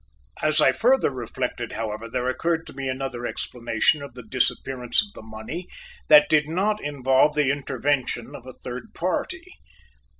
As I further reflected, however, there occurred to me another explanation of the disappearance of the money that did not involve the intervention of a third party.